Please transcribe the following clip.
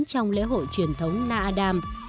trong lễ hội truyền thống na adam